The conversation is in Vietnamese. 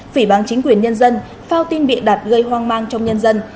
phỉ bằng chính quyền nhân dân phao tin bị đặt gây hoang mang trong nhân dân